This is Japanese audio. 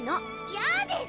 やです！